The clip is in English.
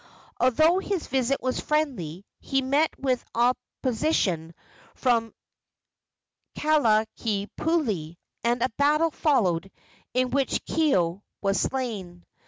Although his visit was friendly, he met with opposition from Kalanikupule, and a battle followed, in which Kaeo was slain.